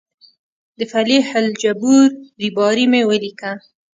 د فلیح الجبور ریباري مې ولیکه.